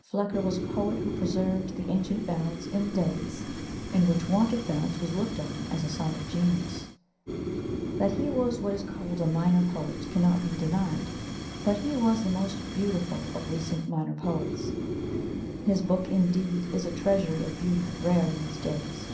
Flecker was a poet who preserved the ancient balance in days in which want of balance was looked on as a sign of genius. That he was what is called a minor poet cannot be denied, but he was the most beautiful of recent minor poets. His book, indeed, is a treasury of beauty rare in these days.